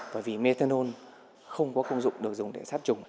bởi vì methanol không có công dụng được dùng để sát trùng